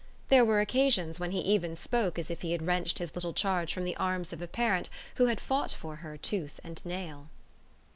There were occasions when he even spoke as if he had wrenched his little charge from the arms of a parent who had fought for her tooth and nail.